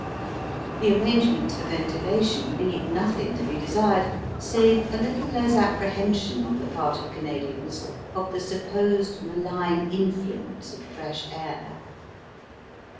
The arrangements for ventilation leave nothing to be desired save a little less apprehension on the part of Canadians of the supposed malign influence of fresh air.